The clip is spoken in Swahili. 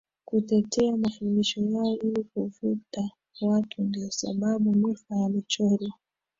kutetea mafundisho yao ili kuvuta watu Ndiyo sababu Luther alichorwa